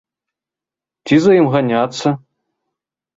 Ці за ім ганяцца?